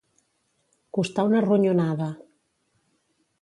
Costar una ronyonada.